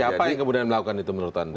siapa yang kemudian melakukan itu menurut anda